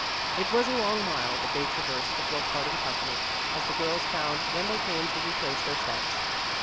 It was a long mile that they traversed before parting company, as the girls found when they came to retrace their steps.